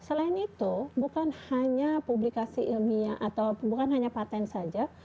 selain itu bukan hanya publikasi ilmiah atau bukan hanya patent saja